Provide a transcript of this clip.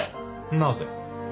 なぜ？